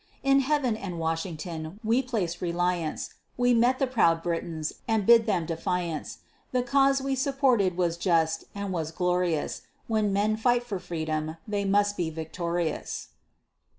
In Heaven and Washington we placed reliance, We met the proud Britons, and bid them defiance; The cause we supported was just, and was glorious; When men fight for freedom, they must be victorious.